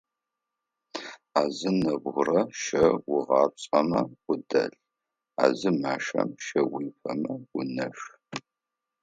А зы нэбгырэм щэ уигъапцӏэмэ удэл, а зы машэм щэ уифэмэ унэшъу.